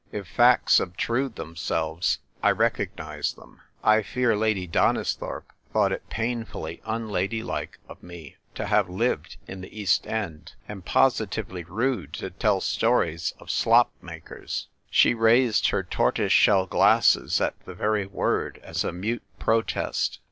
If facts obtrude themselves, I recognise them. I fear Lady Donisthorpe thought it painfully unladylike of me to have lived in the East Knd, and positively rude to tell stories of slop makers. She raised her tortoise shell glasses at the very word as a mute protest.